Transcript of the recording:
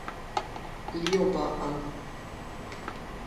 Lioba an.